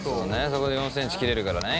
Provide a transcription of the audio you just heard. そこで４ｃｍ切れるからね。